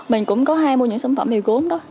mình cũng có hay mua những sản phẩm nghề gốm đó